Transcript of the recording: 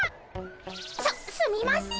すすみません。